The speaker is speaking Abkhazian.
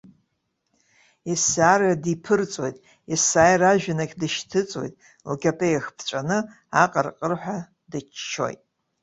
Есааира диԥырҵуеит, есааира ажәҩнахь дышьҭыҵуеит, лкьатеиах ԥҵәаны, аҟырҟырҳәа дыччоит.